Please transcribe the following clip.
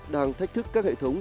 đang thách thức các hệ thống